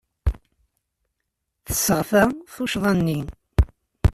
Tesseɣta tuccḍa-nni.